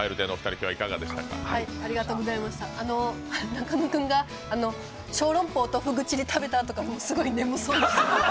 中野君が小籠包とふぐちり食べたあとすごい眠そうです。